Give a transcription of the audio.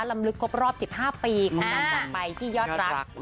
ลำลึกครบรอบ๑๕ปีของการจากไปที่ยอดรัก